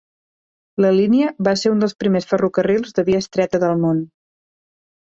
La línia va ser un dels primers ferrocarrils de via estreta del món.